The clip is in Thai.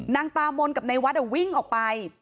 นางตามนกับในวัดวิ่งออกไป